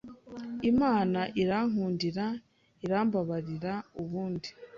Imana irankundira irambabarira ubundi